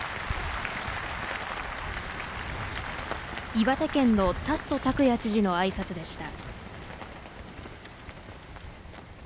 岩手県の達増拓也知事の挨拶でした。